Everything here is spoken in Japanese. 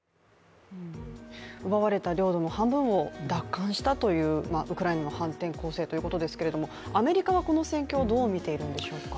奪われた領土の半分を奪還したというウクライナの反転攻勢ということですけれどもアメリカはこの戦況、どう見ているんでしょうか。